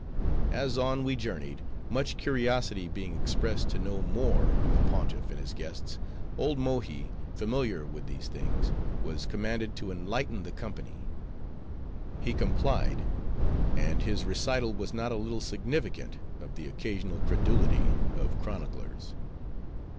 As on we journeyed, much curiosity being expressed to know more of the Pontiff and his guests, old Mohi, familiar with these things, was commanded to enlighten the company. He complied; and his recital was not a little significant, of the occasional credulity of chroniclers.